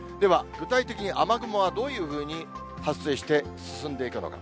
具体的に雨雲はどういうふうに発生して、進んでいくのか。